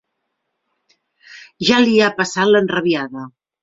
Ja li ha passat l'enrabiada.